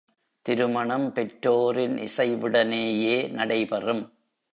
திருமணம் பெற்றோரின் இசைவுடனேயே நடைபெறும்.